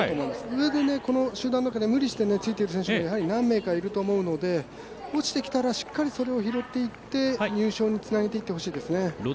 上で集団の中で無理してついて行く選手も何名かいると思いますので落ちてきたら、しっかりそれを拾っていって入賞につなげていきたいですね。